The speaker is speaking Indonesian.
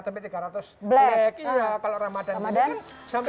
produksi dulu ya siapa